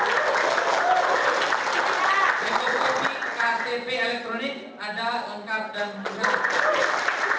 teknologi ktp elektronik ada lengkap dan menentukan